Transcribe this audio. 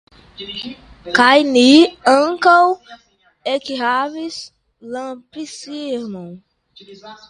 Kaj ni ankaŭ ekhavis lampŝirmilon.